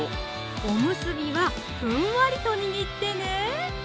おむすびはふんわりと握ってね